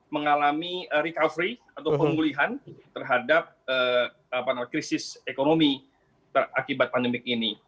mengalami recovery atau pemulihan terhadap krisis ekonomi akibat pandemik ini